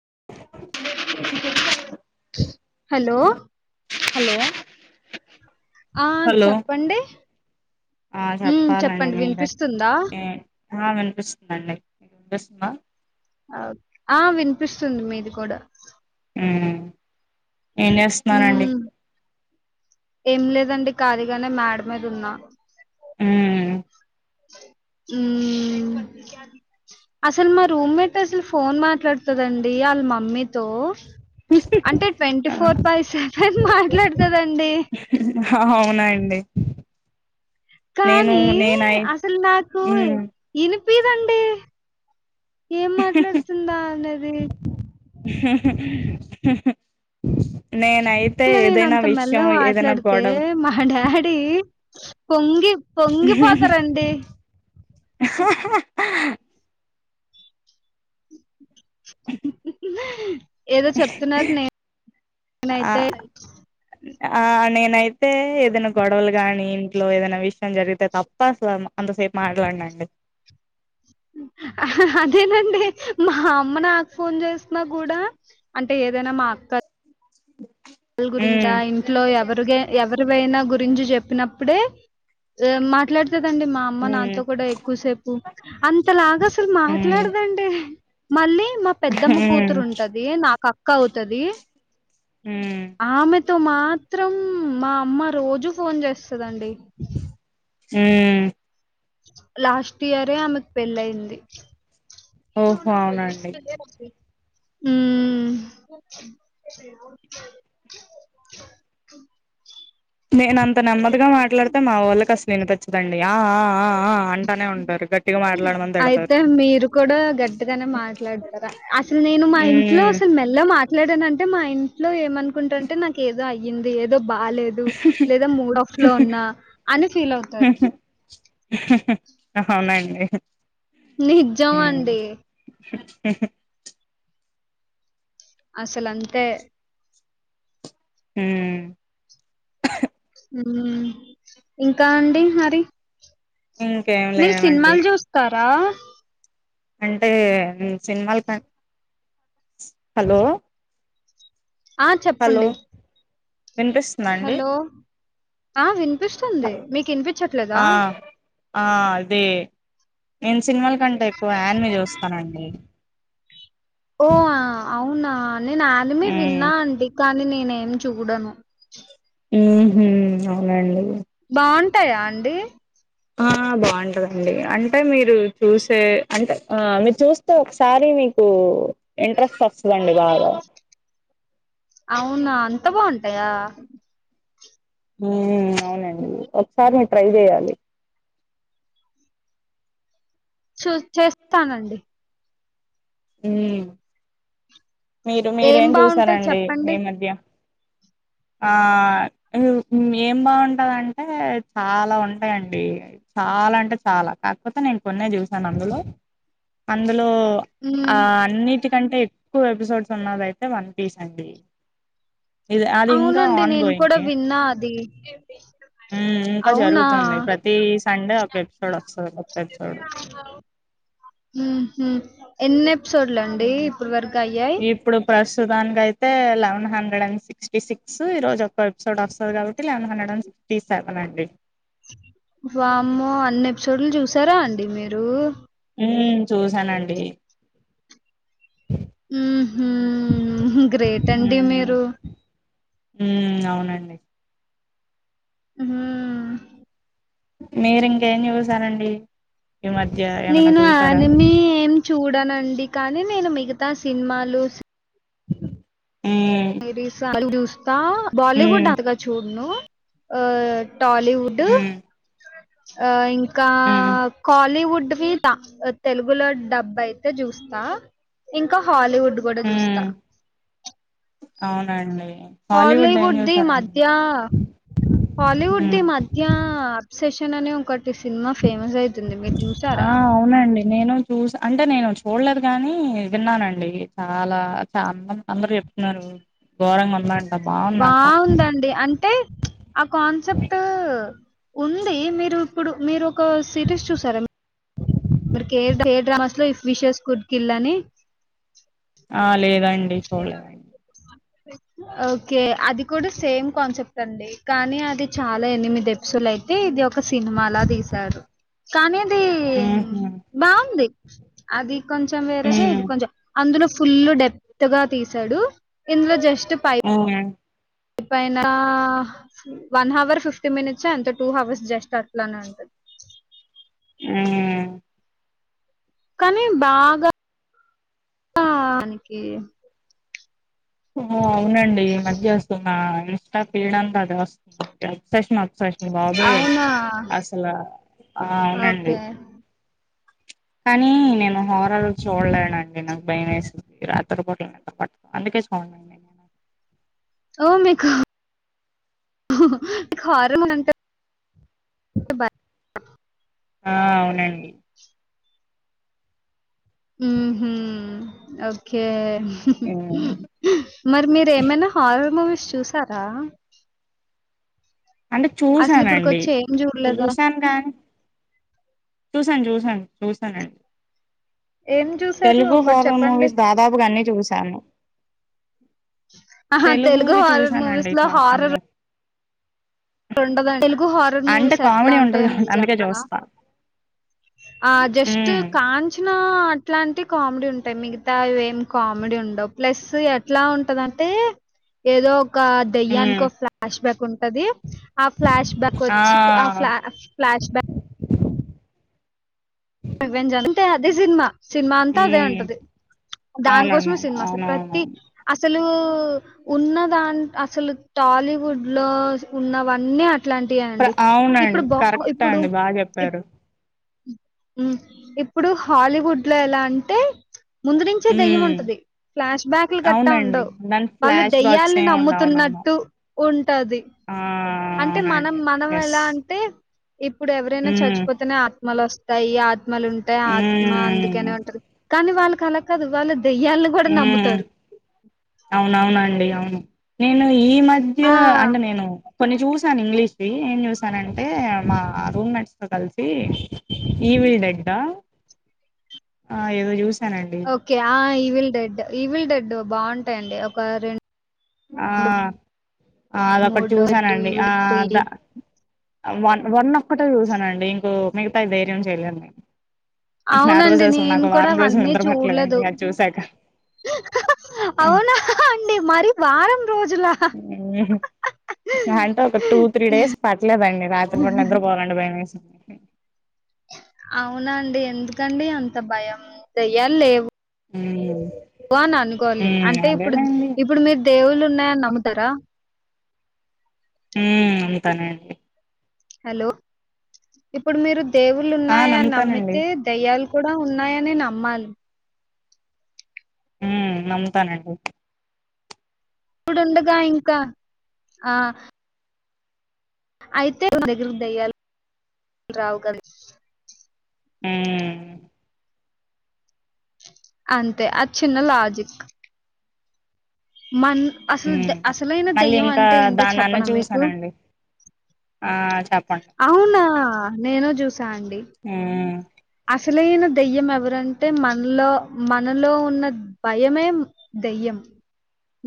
[unintelligible] Hello hello ఆ hello చెప్పండి ఆ హా చెప్పాలండి చెప్పండి మీరే వినిపిస్తుందా? ఆ వినిపిస్తుందండి. వినిపిస్తుందా? ఆ వినిపిస్తుంది మీది కూడా ఏం చేస్తున్నారండి? ఉమ్ ఏం లేదండి ఖాళీగానే మేడ మీది ఉన్నా. మ్ మ్ అసలు మా రూమ్మేట్ అసలు ఫోన్ మాట్లాడుతాదండి వాళ్ళ మమ్మీతో అంటే ట్వంటీ ఫోర్ బై సెవెన్ మాట్లాడుతాదండి. అవునా అండి. కానీ నేనై అసలు నాకు ఉమ్ ఇనిపీదండి. ఏం మాట్లాడుతుందా అనేది. మ్ హు హూ హూ నేనయితే నేను ఏదైనా అంత విషయం మెల్లగా ఏదైనా మాట్లాడితే గొడవ మా డాడీ పొంగి పొంగిపోతారండి. అహ్ అహ్ ఆ ఏదో చెప్తున్నారు నేను ఆ నేనయితే ఆ నేనైతే ఏదైనా గొడవలు గాని ఇంట్లో ఏదైనా విషయం జరిగితే తప్ప అసలు అంత ఎక్కువ సేపు మాట్లాడినండి. అదేనండి మా అమ్మ నాకు ఫోన్ చేసిన కూడా అంటే ఏదైనా మా క్క త్ వాళ్ళ గురించా ఉమ్ ఇంట్లో ఎవరిగే ఎవరివైనా గురించి చెప్పినప్పుడే మాట్లాడు దండి మా అమ్మ ఉమ్ నాతో కూడా ఎక్కువసేపు అంతలాగా అసలు ఉమ్ మాట్లాడదండి. మళ్ళీ, మా పెద్దమ్మ ఉమ్ కూతురు ఉంటది నాకు అక్క అవుతాది మ్ ఇంత మాత్రం మా అమ్మ రోజు ఫోన్ చేస్తుందండి. మ్ లాస్ట్ ఇయరే ఆమెకు పెళ్ళైంది. ఓహో శనా అవునండి పది [unintelligible] మ్ [inaudible] నేనంత నెమ్మదిగా మాట్లాడితే మా వాళ్ళకి అసలు వినిపిచ్చదండి ఆ ఆ అంటానే ఉంటారు గట్టిగా మాట్లాడమని తిడతారు అయితే మీరు కూడా గట్టిగానే మాట్లాడతారా? అసలు నేను మా ఇంట్లో ఉమ్ అసలు మెల్లగా మా మాట్లాడనంటే మా ఇంట్లో ఏమనుకుంటారంటే నాకు ఏదో అయ్యింది. ఏదో బాలేదు లేదా మూడఫ్ లో ఉన్నా అని ఫీల్ అవుతారు ఆహా అవునండి నిజం ఉమ్ అండి అసలు అంతే ఉమ్ ఉమ్ ఇంకా అండి మరి ఇంకేం మీరు లేవండి సినిమాలు చూస్తారా అంటే సినిమాలకి ఆన్ హలో ఆ హలో చెప్పండి వినిపిస్తుందా అండి హలో ఆ వినిపిస్తుంది మీకు వినిపించట్లేదా ఆ ఆ అదే నేను సినిమాల కంటే ఎక్కువ ఆనిమి చూస్తానండి ఓ అవునా నేను ఆనిమి ఉమ్ విన్నా అండి నేనే ఏం చూడను ఉహూ అవునండి బాగుంటాయా అండి ఆ బాగుంటదండి అంటే మీరు చూసే అంటే ఆ మీరు చూస్తే ఒకసారి మీకు ఇంట్రెస్ట్ వస్తుందండి బాగా అవునా అంత బాగుంటాయా అవునండి ఒకసారి మీ ట్రై చేయాలి చూ చేస్తానండి ఉ మీరు ఏం మీరేం బాగుంటాయి చూసారండి చెప్పండి ఈ మధ్య ఆ ఏం బాగుంటందంటే చాలా ఉంటాయండి చాలా అంటే చాలా కాకపోతే నేను కొన్నే చూసాను అందులో అందు లో ఉమ్ ఆ అన్నిటికంటే ఎపిసోడ్స్ ఉన్నదయితే వన్ పీస్ అండి అది ఇంకా అవునండి ఆన్కో నేను ఇంగ్ కూడా ఏ విన్నా అది ఉమ్ ఇంకా అవునా జరుగుతుంది ప్రతి సండే ఒక ఎపిసోడ్ వస్తుంది కొత్త ఎపిసోడ్ ఉహూ అయ్యాయి ఇప్పుడు ప్రశ ప్రస్తుతానికి అయితే లెవన్ హ్రె అండ్ సిక్స్టీ సిక్స్ ఈరోజు ఒక్క ఎపిసోడ్ వస్తుంది కాబట్టిలెన్ హండె అండ్ సిక్స్ తీసేతనండి వామ్మో అన్ని ఎపిసోడ్లు చూసారా అండి మీరు ఉ చూసానండి ఉహూ గ్రేట్ అండి మీరు ఉ అవునండి ఉం మీరు ఇంకేం జుసారండి నేను ఆనిమి ఏం చూడనండి కానీ నేను మిగతా సినిమాలు మ్మ్ ర చూస్తా మ్మ్ బాలీవుడ్ అంతగా చూడ్ను ఆ టాలీవుడ్ మ్మ్ ఇంకా మ్మ్ కాలీవుడ్ వి తెలుగులో డబ్ అయితే చూస్తా ఇంకా హాలీ వుడు కూడా చూస్తా మ్మ్ అవునండి హాలీవుడ్ ఏం హాలీవుడ్ది చూసారండి మధ్య హాలీవుడ్ ది మ్మ్ మధ్య అప్సెషన్ న్ అనే ఒకటి సినిమా ఫేమస్ అవుతుంది మీరు ఆ చూసారా అవునండి నేను చూసి అంటే నేను చూడలేదు కాగానీ విన్నానండి చాలా చా అం న్నారు గోరంగా ఉంది అన్నారు బాగుందండి అంటే ఆ కాన్సెప్ట్ ఉంది మీరు ఇప్పుడు మీరు ఒక సిరీస్ చూసారా రి ఏ డ్రామాస్ లో ఇఫ్ విషస్ కుడ్కిల్ల్ అని ఆ లేదండి చూడలేదడి ఓకే అది కూడా సేమ్ కాన్సెప్ట్ అండి కానీ అది చాలా ఎనిమిది ఎపిసోలు అయితే ఇది ఒక ఒక సినిమా లా తీశారు కానీ అది ఉహు బాగుంది అది కొంచెం ఉ వేరే ఇది కొంచెం అందులో ఫుల్ డెప్త్ గా తీసాడు ఇందులో జస్ట్ పై ఉ ఎ పనా వన్ హవర్ ఫిఫ్టీ మినిట్స్ అంత టూ హవర్స్ జస్ట్ అట్లానే ఉంటది అ కానీ బాగా కె ఓ అవునండి ఈ మధ్య వస్తున్నా ఇంత పీడంద అది వస్తు అప్సషన్ అప్సషన్ బాబాయ అవునా అసలు ఆ అవునండి ఓకే కానీ నేను హోరాలు చూడలేనండి నాకు భయ వేసింది రాత్రి రూపాట్ల ఎ పట్ట అందుకే అవుడి ఓ మీకు మీకు హారంట అ ఆ అవునండి ఉహు ఓకే హ్మ్ మరి మీరేమైనా హారర్ మూవీస్ చూసారా అంటె అసలు చూసానండి ఇప్పటికొచ్చి ఏం చూడలేదా చూసాను కానీ చూ చూసాను చూసాను చూసానండి ఏం చూసారు తెలుగు ఒకటి హారర్ చెప్పండి మూవీస్ దాదాపుగాన్నీ చూశాను ఆహా, తెలుగు తెలుగువి హారర్ మూవీస్ చూసానండి చ అన్నీ రెండ తెలుగు హారర్ అంటే మూవీస్ ఎట్లా కామెడీ ఉంటది ఉంటాయో నేను కాబట్టి అందుకే చెప్పనా చూస్తా ఆ జస్ట్ ఉమ్ కాంచనా అట్లాంటి కామెడీ ఉంటాయి మిగతా ఏం కామెడీ ఉండవు ప్లస్ ఎట్లా ఉంటందంటే ఏదో ఒక దయ్యానికి ఉమ్ ఒక ఫ్లాష్ బ్యాక్ ఉంటది ఆ ఫ్లాష్ బ్యాక్ వచ్చి ఆ ఫ్లా. ఫ్లా. ఫ్లాష్ బ్యాక్ రివెంజ్ అంతటే అదే సినిమా సినిమా అంతా అదే ఉమ్ ఉంటది అవునండి దానికోసమే సినిమా వస్తుంది అవునవును ప్రతి అ అసలు ఉన్న దాం అసలు టాలీవుడ్ లో ఉన్నవన్నీ అ ఇట్లాంటి అండి ఇప్పుడు అవునండి బ కరెక్ట్ ఇప్పుడు అండి బాగా చెప్పారు ఉమ్ ఇప్పుడు హాలీవుడ్ లో ఎలా అంటే ముందు నుంచే దెయ్యం ఉమ్ ఉంటది ఫ్లాష్ బ్యాక్లు గట్టా అవునండి ఉండవు దాని వాళ్ళు ఫ్లాష్ బాక్స్ దెయ్యాలని ఏమి ఉండవు నమ్ముతున్నట్ అవునవును అంటు ఉంటది ఆ అంటే మనం అవునండి మనం ఎస్ ఎలా అంటే ఇప్పుడు ఎవరైనా ఉమ్ చచ్చిపోతేనే ఆత్మలోస్తయ్ యి ఆత్మలు ఉంటాయి ఆత్మ ఉమ్ అందుకేనే ఉంటారు కానీ వాళ్ళకి అల కాదు వాళ్ళు దెయ్యాలను కూడా ఉమ్ నమ్ముతారు అవునవునండి అవును నేను ఈ మధ్య ఆ అంటె నేను కొన్ని చూసాను ఇంగ్లీష్ క ఏం చూసానంటే మా రూమ్ మేట్స్ తో కలిసి ఈ ఈవిల్ డెడ్ ఆ ఏదో చూశాను ఓకే ఆ ఈవిల్ డెడ్ ఈవిల్ డెడ్ బాగుంటాయిండి ఒక రెండ్ ఆ అదొక్కటి మూడు టూ చూసానండి ఆ Evil three the one one ఒక్కటే చూసానండి ఇంకో మిగతా ఈ ధైర్యం చెయలేండి ఆ రోజు అవునండి అసలు నాకు నేను కూడా వారం రోజులు అవన్నీ నిద్ర చూడలేదు పట్టలేదండి అది చూసాక హ్మ్. అవునా అండి మరి వారం రోజులా హ్మ్. అంటే ఒక టూ త్రీ డేస్ పట్టలేదండి రాత్రిపూట నిద్రపోవాలంటే భయమేసింది అవునాండి ఎందుకండి అంత భయం దెయ్యాల్ లేవు ఉమ్ అలా అని అనుకోవాలి ఉమ్ అంటే ఇప్పుడు అదేలేండి ఇప్పుడు మీరు దేవుళ్ళు ఉన్నాయ నమ్ముతారా హ్మ్ నమ్ముతానండి హలో ఇప్పుడు మీరు దేవుళ్ళు ఆ ఉన్నాయా అని నమ్ముతానండి నమ్మితే దయ్యాల్ కూడా ఉన్నాయ అనే నమ్మాలి హ్మ్ నమ్ముతానండి ఇప్పుడుండుగా ఇంకా ఆ అయితే మన దగ్గరకు దయ్యాల్ రావు కదా హ్మ్ అంతే ఆ చిన్న లాజిక్ మన్ అసలు ఉమ్ అసలైన మళ్ళీ దెయ్యం ఇంకా అంటే ఏంటో దానాన్న చెప్పన మీకు చూసానండి ఆ చెప్ అవునా నేను చూస్ తాండి ఉమ్ అసలైన దెయ్యం ఎవరంటే మ మనలో మనలో ఉన్న భయమే దయ్యం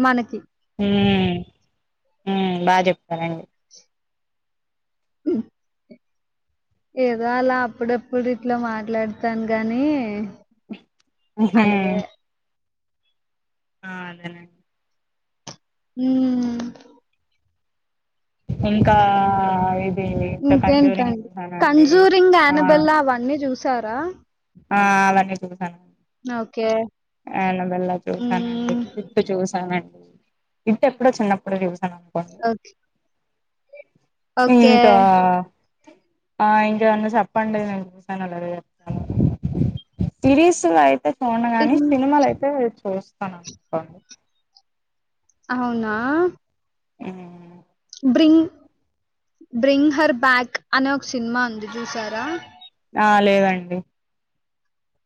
మనకి హ్మ్ హ్మ్ బా చెప్పారండి ఉమ్, ఏదో అలా అప్పుడుప్పుడు ఇట్ల మాట్లాడతాను గానీ అ హ ఆ అదేనం హ్మ్ ఇంకా ఇ ఇంకేంటండి కన్జూరింగ్ ఆ అనబెల్లా అవన్నీ చూసారా ఆ అవి అన్ని చుసా ఓకే అనబెల్లా చూసానండి హ్మ్. ఇప్పు చూసానండి ఇట్ ఎప్పుడో చిన్నప్పుడు చూస్ హ్యాంగ్కంగు ఓకే. ఓకే ఆ ఇంక ఏమన్న చెప్పండి నేను చూసానో లేదో చెప్తాను సిరీస్ అయితే చూడ గాని ఇన్ సినిమాలు అయితే చూస్తానుకోండి అవునా హ్మ్ బ్రింగ్ బ్రింగ్ హర్ బ్యాక్ అనే ఒక సినిమా ఉంది చూసారా ఆ లేదండి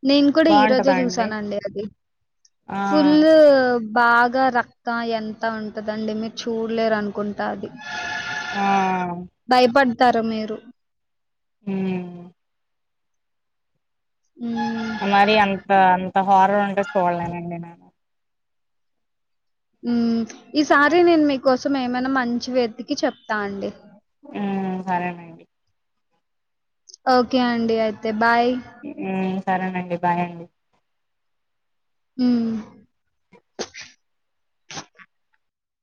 నేను కూడా ఈ రోజు బాగుంటదండి చూసానండి అది ఆ ఫుల్ బాగా రక్తం ఎంత ఉంటదండి మీరు చూడలేరు అనుకుంటు అది ఆ భయపడతారా మీరు హ్మ్ మ్మ్ మరి అంత అంత హారర్ ఉంటే చూడలేనండి నేను హ్మ్ ఈసారి నేను మీకోసం ఏమైనా మంచి వేతికి చెప్తా అండి మ్మ్ సరేనండి ఓకే అండి అయితే బాయ్ హ్మ్ సరేనండి బాయ్ అండి హ్మ్